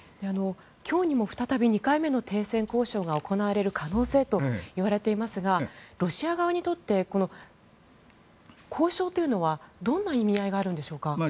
今日にも再び２回目の停戦交渉が行われる可能性も言われていますがロシア側にとって交渉というのはどんな意味合いがあるんでしょうか。